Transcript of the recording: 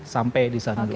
sampai di sana dulu